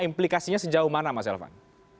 implikasinya sejauh mana mas elvan